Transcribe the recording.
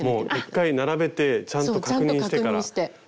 １回並べてちゃんと確認してから。